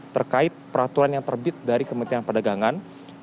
terkait peraturan yang terbit dari kementerian perdagangan